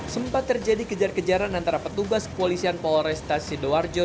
sempat terjadi kejar kejaran antara petugas kepolisian polresta sidoarjo